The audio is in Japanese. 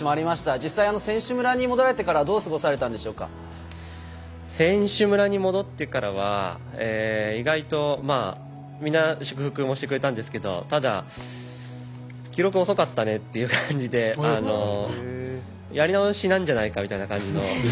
実際選手村に戻られてからは選手村に戻ってからは意外と皆祝福もしてくれたんですけどただ、記録遅かったねっていう感じでやり直しなんじゃないかみたいな感じの。